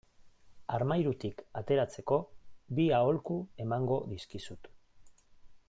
Armairutik ateratzeko bi aholku emango dizkizut.